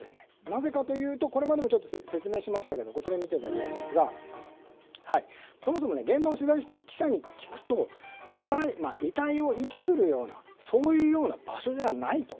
なぜかというとこれまでも説明しましたがそもそも現場を取材した記者に聞くと、遺体を遺棄するようなそういうような場所じゃないと。